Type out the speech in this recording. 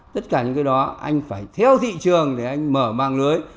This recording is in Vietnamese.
tất cả những cái đó anh phải theo thị trường để anh mở mang lưới